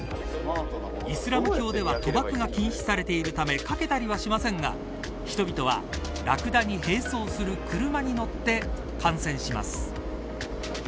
イスラム教では賭博が禁止されているため賭けたりはしませんが、人々はラクダに併走する車に乗って観戦します。